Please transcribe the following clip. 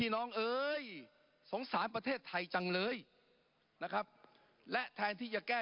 นะครับและแทนที่จะแก้